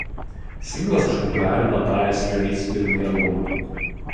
Singlas išpopuliarino Dire Straits pirmąjį albumą.